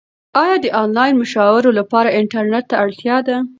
ایا د انلاین مشاعرو لپاره انټرنیټ ته اړتیا ده؟